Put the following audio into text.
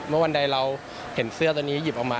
วันใดเราเห็นเสื้อตัวนี้หยิบออกมา